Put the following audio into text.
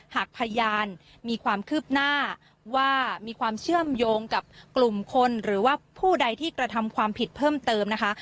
หากพยานมีความคืบหน้าว่ามีความเชื่อมโยงกับกลุ่มคนหรือว่าผู้ใดที่กระทำความผิดเพิ่มเติมนะคะ